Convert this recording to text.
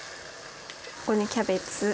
ここにキャベツ。